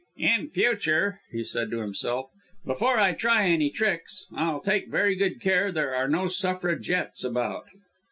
"In future," he said to himself, "before I try any tricks, I'll take very good care there are no Suffragettes about."